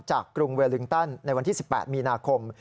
กรุงเวลิงตันในวันที่๑๘มีนาคม